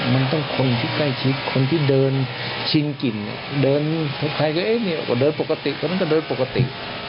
มันต้องคนที่ใกล้ชิดคนที่เดินชินกินเดินปกติ